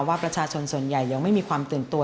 ว่าประชาชนส่วนใหญ่ยังไม่มีความตื่นตัว